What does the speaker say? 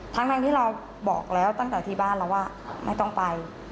ทั้งที่เราบอกแล้วตั้งแต่ที่บ้านแล้วว่าไม่ต้องไป